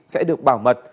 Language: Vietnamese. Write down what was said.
sẽ được bảo mật